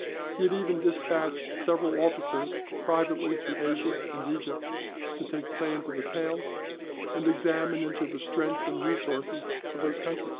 He had even dispatched several officers privately into Asia and Egypt, to take plans of the towns, and examine into the strength and resources of those countries."